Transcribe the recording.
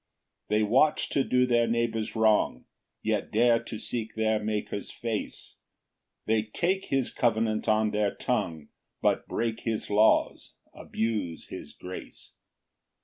3 They watch to do their neighbours wrong; Yet dare to seek their Maker's face; They take his covenant on their tongue, But break his laws, abuse his grace.